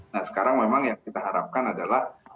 nah sekarang memang yang kita harapkan adalah